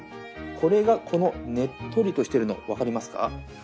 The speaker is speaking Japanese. これがこのねっとりとしてるの分かりますか？